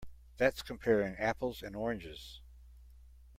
That's comparing apples and oranges.